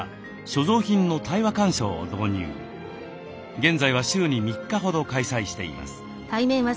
現在は週に３日ほど開催しています。